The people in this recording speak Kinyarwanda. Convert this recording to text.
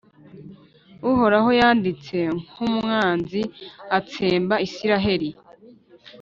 Uhoraho yahindutse nk’umwanzi atsemba Israheli,